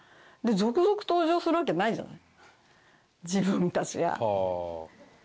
続々登場するわけないじゃない自分たちが。